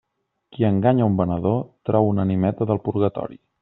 Qui enganya un venedor, trau una animeta del purgatori.